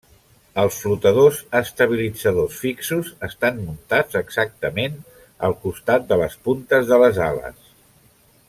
Els flotadors estabilitzadors fixos estan muntats exactament al costat de les puntes de les ales.